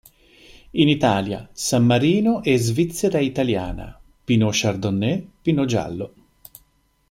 In Italia, San Marino e Svizzera italiana: Pinot Chardonnay, Pinot Giallo.